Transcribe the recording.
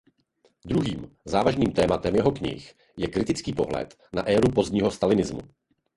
Druhým závažným tématem jeho knih je kritický pohled na éru pozdního stalinismu.